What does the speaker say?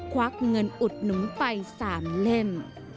ควักเงินอุดหนึ่งไปสามเล่น